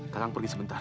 kakak pergi sebentar